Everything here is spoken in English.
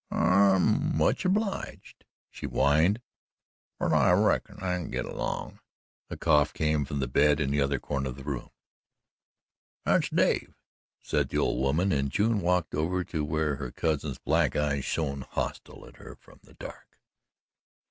"I'm much obleeged," she whined, "but I reckon I can git along." A cough came from the bed in the other corner of the room. "That's Dave," said the old woman, and June walked over to where her cousin's black eyes shone hostile at her from the dark.